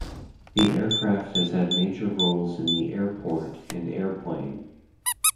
The aircraft has had major roles in the "Airport" and "Airplane!